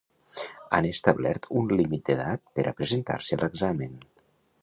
Han establert un límit d'edat per a presentar-se a l'examen.